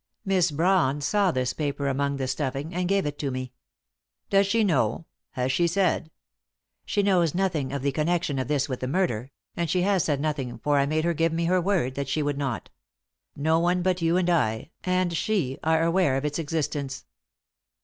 Miss Brawn saw this paper among the stuffing, and gave it to me." "Does she know? Has she said " "She knows nothing of the connection of this with the murder and she has said nothing for I made her give me her word that she would not. No one but you, and I, and she are aware of its existence.